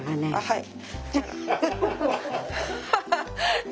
はい。